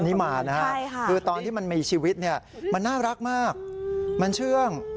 นี้มานะฮะคือตอนที่มันมีชีวิตเนี่ยมันน่ารักมากมันเชื่อง